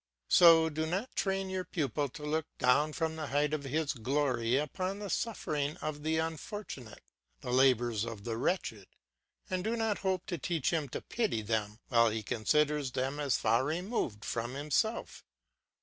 So do not train your pupil to look down from the height of his glory upon the sufferings of the unfortunate, the labours of the wretched, and do not hope to teach him to pity them while he considers them as far removed from himself.